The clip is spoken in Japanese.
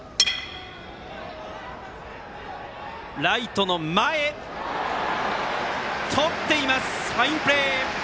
ライトの前とっています、ファインプレー。